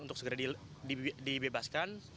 untuk segera dibebaskan